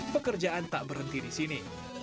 pekerjaan tak berhenti di sini